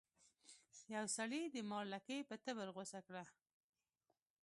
یو سړي د مار لکۍ په تبر غوڅه کړه.